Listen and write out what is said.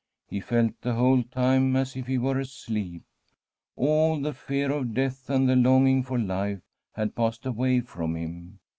He felt the whole time as if he were asleep. All the fear of death and the longing for life had passed away from him.